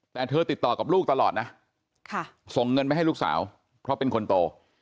แต่เธอติดต่อกับลูกตลอดนะส่งเงินไปให้ลูกสาวเพราะเป็นคนโต